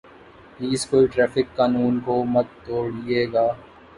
please کوئی traffic قانون کو مت توڑئے گا